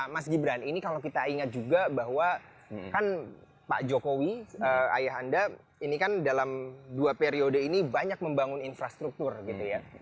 jadi ini kalau kita ingat juga bahwa kan pak jokowi ayah anda ini kan dalam dua periode ini banyak membangun infrastruktur gitu ya